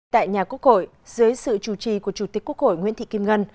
tại nhà quốc hội dưới sự chủ trì của chủ tịch quốc hội nguyễn thị kim ngân